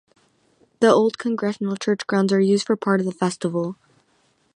The Old Congregational Church grounds are used for part of the festival.